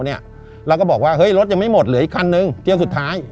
เราก็บอกว่าเฮ้ยรถยังไม่หมดเหลืออีกคันนึงเที่ยวสุดท้าย